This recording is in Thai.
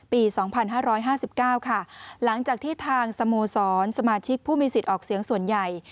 การปีสองพันห้าร้อยห้าสิบเก้าค่ะหลังจากที่ทางสโมสอนสมาชิกพวกมีสิทธิ์ออกเสียงส่วนใหญ่